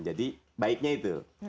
jadi baiknya itu